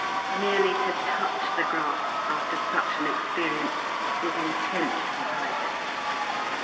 Merely to touch the grass after such an experience was intense delight.